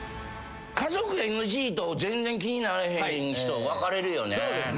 家族ＮＧと全然気になれへん人分かれるよね。